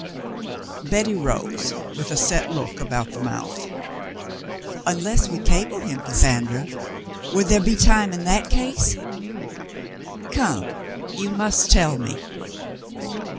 Betty rose with a set look about the mouth. "Unless we cable him, Cassandra. Would there be time in that case ? Come, vou must tell me."